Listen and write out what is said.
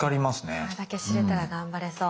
これだけ知れたら頑張れそう。